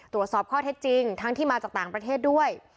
ตรวจสอบข้อเท็จจริงทั้งที่มาจากต่างประเทศด้วย